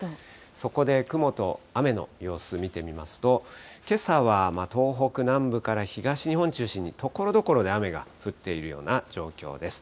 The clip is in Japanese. そこで雲と雨の様子、見てみますと、けさは東北南部から東日本を中心に、ところどころで雨が降っているような状況です。